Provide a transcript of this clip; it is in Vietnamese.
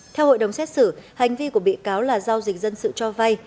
theo hội đồng xét xử hành vi của bị cáo là giao dịch dân sự cho vay